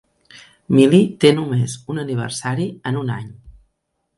Millie té només un aniversari en un any.